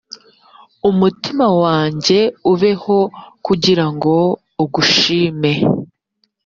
umutima wanjye ubeho kugira ngo ugushime